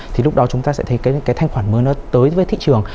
thì lúc đó chúng ta sẽ thấy cái thanh khoản mới nó tới với thị trường